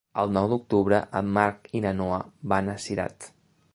El nou d'octubre en Marc i na Noa van a Cirat.